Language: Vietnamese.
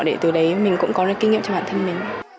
để từ đấy mình cũng có được kinh nghiệm cho bản thân mình